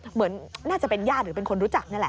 เหมือนน่าจะเป็นญาติหรือเป็นคนรู้จักนี่แหละ